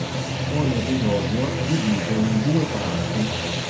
Ogni episodio è diviso in due parti.